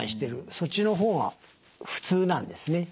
そっちの方が普通なんですね。